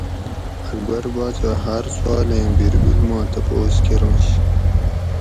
اکبر باچہ ھار سوالیں بیربل ما تپوس کرنش